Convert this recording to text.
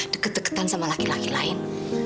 deket deketan sama laki laki lain